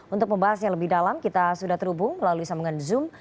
untuk membahasnya lebih dalam kita sudah terhubung melalui sambungan zoom